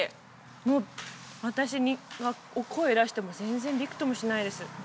もう私が声出しても全然びくともしないです